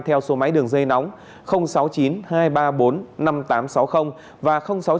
theo số máy đường dây nóng sáu mươi chín hai trăm ba mươi bốn năm nghìn tám trăm sáu mươi và sáu mươi chín hai trăm ba mươi một một nghìn sáu trăm bảy